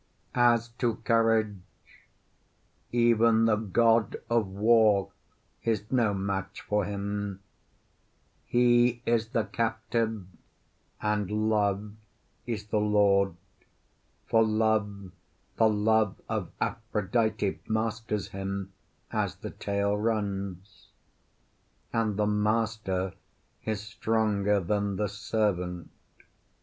As to courage, even the God of War is no match for him; he is the captive and Love is the lord, for love, the love of Aphrodite, masters him, as the tale runs; and the master is stronger than the servant.